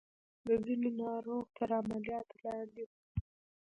د ځينو ناروغ تر عملياتو لاندې وو.